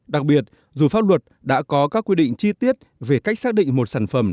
đặc biệt dù pháp luật đã có các quy định chi tiết về cách xác định một sản phẩm